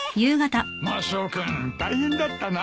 マスオ君大変だったな。